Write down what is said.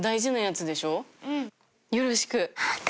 よろしく。